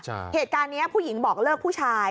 เหตุการณ์นี้ผู้หญิงบอกเลิกผู้ชาย